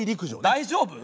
大丈夫？